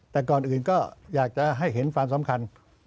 แต่ก่อนอื่นก็อยากจะให้เห็นความสำคัญ